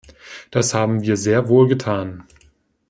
Das haben wir sehr wohl getan.